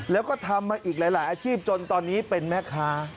แล้วก็ทำมาอีกหลายอาชีพจนตอนนี้เป็นแม่ค้า